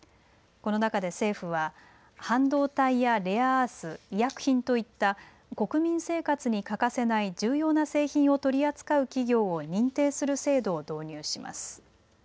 この中で政府は半導体やレアアース、医薬品といった国民生活に欠かせない重要な製品を取り扱う企業を認定する制度を導入します。